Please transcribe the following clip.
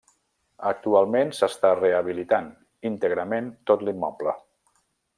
Actualment s'està rehabilitant íntegrament tot l'immoble.